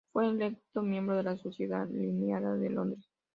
Fue electo miembro de la Sociedad linneana de Londres.